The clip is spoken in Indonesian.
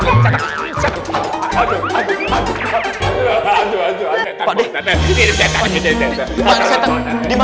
menang baru anda